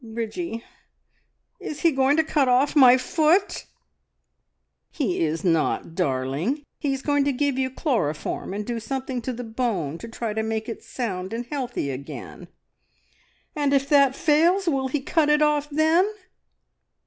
Bridgie, is he going to cut off my foot?" "He is not, darling. He is going to give you chloroform and do something to the bone to try to make it sound and healthy again." "And if that fails, will he cut it off then?"